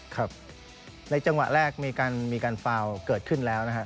ครับในจังหวะแรกมีการฟาวเกิดขึ้นแล้วนะครับ